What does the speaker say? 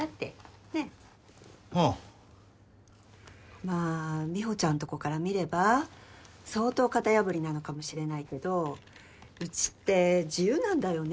まあ美帆ちゃんとこから見れば相当型破りなのかもしれないけどうちって自由なんだよね